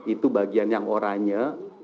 itu bagian yang oranya